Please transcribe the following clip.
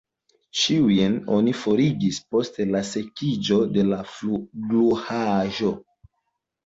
Ĉiujn oni forigis post la sekiĝo de gluaĵo.